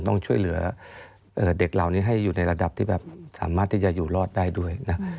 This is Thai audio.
ต้องช่วยเหลือเด็กเหล่านี้ให้อยู่ในระดับที่แบบสามารถที่จะอยู่รอดได้ด้วยนะ